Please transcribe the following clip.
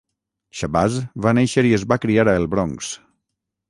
Shabazz va néixer i es va criar a El Bronx.